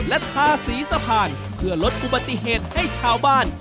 และทาสีสะพานเพื่อลดอุบัติเหตุให้ชาวบ้าน